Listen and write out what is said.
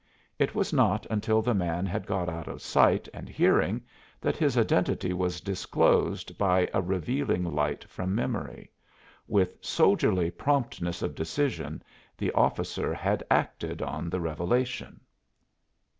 It was not until the man had got out of sight and hearing that his identity was disclosed by a revealing light from memory. With soldierly promptness of decision the officer had acted on the revelation.